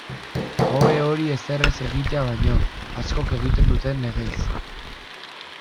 Hobe hori ezer ez egitea baino, askok egiten duten legez.